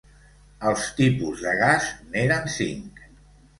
Els tipus de gas n'eren cinc.